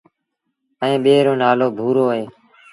ائيٚݩ ٻي رو نآلو ڀورو اهي۔